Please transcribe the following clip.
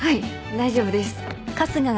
大丈夫です。